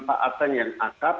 pak akdeng yang akab